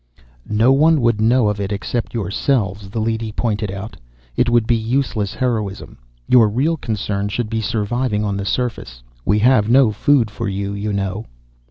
"No one would know of it except yourselves," the leady pointed out. "It would be useless heroism. Your real concern should be surviving on the surface. We have no food for you, you know."